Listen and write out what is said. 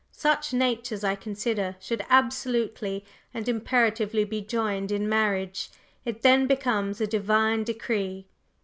Such natures, I consider, should absolutely and imperatively be joined in marriage. It then becomes a divine decree.